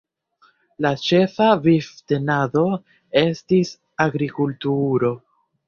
La ĉefa vivtenado estis agrikultuuro.